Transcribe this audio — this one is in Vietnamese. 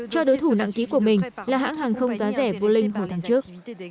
cho đối thủ nặng ký của mình là hãng hàng không giá rẻ vô linh hồi tháng trước